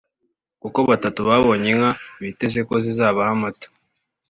kuko batatu babonye inka biteze ko zizabaha amata